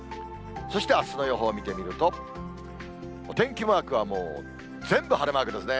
そしてあすの予報見てみると、お天気マークはもう全部晴れマークですね。